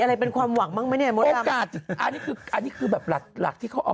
อะไรเป็นความหวังมั้งไหมเนี่ยอันนี้คือแบบหลักที่เขาเอา